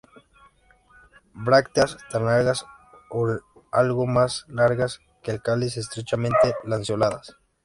Brácteas tan largas o algo más largas que el cáliz, estrechamente lanceoladas.